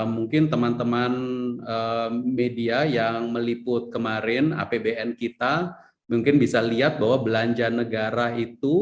mungkin teman teman media yang meliput kemarin apbn kita mungkin bisa lihat bahwa belanja negara itu